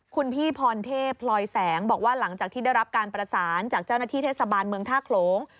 คุณพี่พรเทพพลอยแสงบอกว่าหลังจากที่ได้รับการประสานจากเจ้าหน้าที่เทศบาลเมืองท่าโขลง